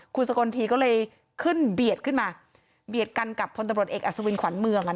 คุณสกลทีก็เลยขึ้นเบียดขึ้นมาเบียดกันกับพลตำรวจเอกอัศวินขวัญเมือง